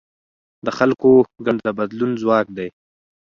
د خلکو ګډون د بدلون ځواک دی